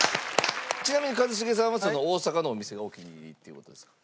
ちなみに一茂さんはその大阪のお店がお気に入りっていう事ですか？